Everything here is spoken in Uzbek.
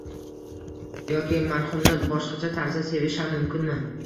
Yoki marxumni boshqacha tarzda sevish ham mumkinmi?